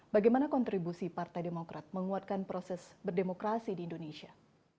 bagaimana kontribusi partai demokrat menguatkan proses berdemokrasi di indonesia